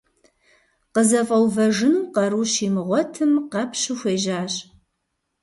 КъызэфӀэувэжыну къару щимыгъуэтым, къэпщу хуежьащ.